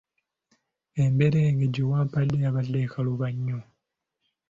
Emberenge gye wampadde yabadde ekaluba nnyo.